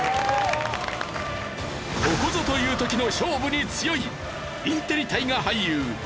ここぞという時の勝負に強いインテリ大河俳優小手伸也。